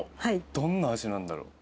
どんな味なんだろう？